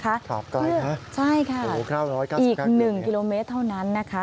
ขาบไกลค่ะโห๕๙๙กิโลเมตรอย่างนี้ใช่ค่ะอีก๑กิโลเมตรเท่านั้นนะคะ